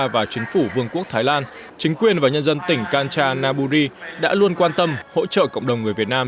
và chính phủ vương quốc thái lan chính quyền và nhân dân tỉnh kancha naburi đã luôn quan tâm hỗ trợ cộng đồng người việt nam